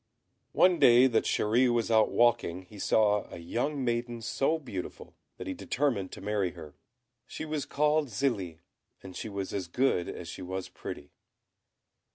One day that Chéri was out walking he saw a young maiden so beautiful, that he determined to marry her. She was called Zélie, and she was as good as she was pretty.